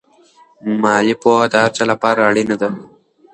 مالي پوهه د هر چا لپاره اړینه ده.